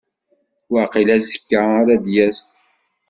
Waqil azekka ara d-yas.